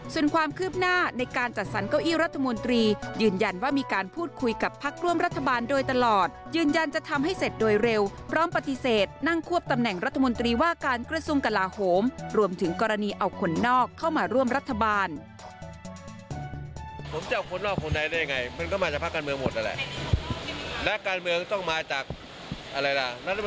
ส่วนความคืบหน้าในการจัดสรรเก้าอี้รัฐมนตรียืนยันว่ามีการพูดคุยกับพักร่วมรัฐบาลโดยตลอดยืนยันจะทำให้เสร็จโดยเร็วพร้อมปฏิเสธนั่งควบตำแหน่งรัฐมนตรีว่าการกระทรวงกลาโหมรวมถึงกรณีเอาคนนอกเข้ามาร่วมรัฐบาล